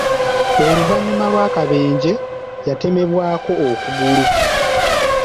Oluvannyuma lw’akabenje, yatemebwako okugulu.